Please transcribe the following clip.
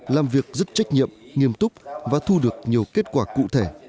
làm việc rất trách nhiệm nghiêm túc và thu được nhiều kết quả cụ thể